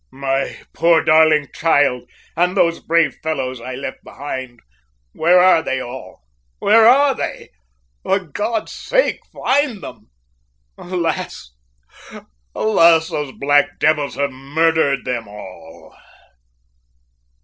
"My poor darling child, and those brave fellows I left behind, where are they all; where are they? For God's sake find them! Alas! alas! those black devils have murdered them all."